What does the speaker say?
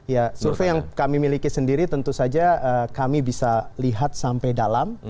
ya survei yang kami miliki sendiri tentu saja kami bisa lihat sampai dalam